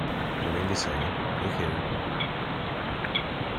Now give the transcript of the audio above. But I mean to say — look here?